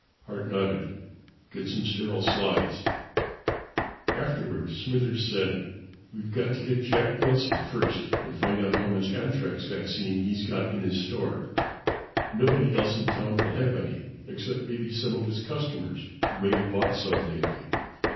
Hart nodded. "Get some sterile slides." Afterward, Smithers said, "We've got to get Jack Nelson first and find out how much anthrax vaccine he's got in his store. Nobody else in town will have any, except maybe some of his customers who may have bought some lately.